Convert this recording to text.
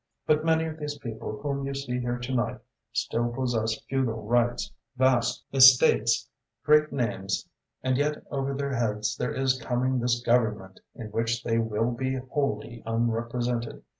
But many of these people whom you see here to night still possess feudal rights, vast estates, great names, and yet over their heads there is coming this Government, in which they will be wholly unrepresented.